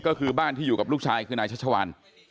ก็คือบ้านที่อยู่กับลูกชายคือนายชัชวาน